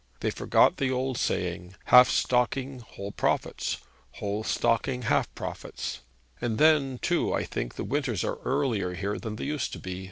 They forget the old saying "Half stocking, whole profits; whole stocking, half profits!" And then, too, I think the winters are earlier here than they used to be.